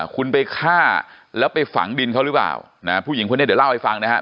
คุณไปฆ่าแล้วไปฝังดินเขาหรือเปล่านะฮะผู้หญิงคนนี้เดี๋ยวเล่าให้ฟังนะฮะ